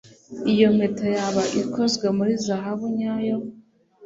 iyo mpeta yaba ikozwe muri zahabu nyayo